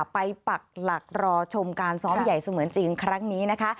ปักหลักรอชมการซ้อมใหญ่เสมือนจริงครั้งนี้นะคะ